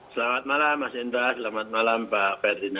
selamat malam mas indra selamat malam pak ferdinand